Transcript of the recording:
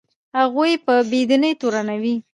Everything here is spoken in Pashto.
هغوی په بې دینۍ تورنوي.